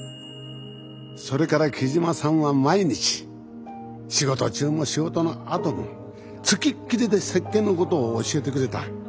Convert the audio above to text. それから木島さんは毎日仕事中も仕事のあとも付きっきりで石鹸のことを教えてくれた。